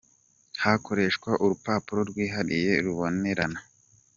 Hakoreshwa urupapuro rwihariye rubonerana.